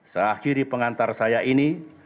saya akhiri pengantar saya ini